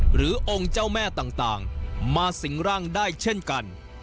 หรือองค์เจ้าแม่ต่างมาสิงร่างได้เช่นกัน